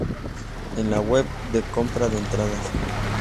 en la web de compra de entradas